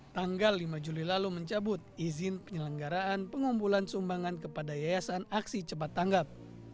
tanggal lima juli lalu mencabut izin penyelenggaraan pengumpulan sumbangan kepada yayasan aksi cepat tanggap